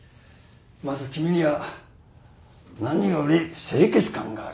まず君には何より清潔感がある。